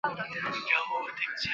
文正是日本年号之一。